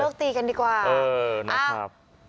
โลกตีกันดีกว่า